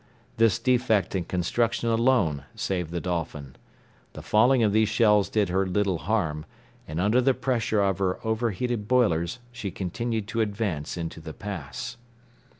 This defect in construction alone saved the Dolphin. The falling of these shells did her little harm, and under the pressure of her over heated boilers she continued to advance into the pass.